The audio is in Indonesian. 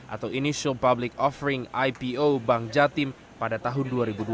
atau initial public offering ipo bank jatim pada tahun dua ribu dua puluh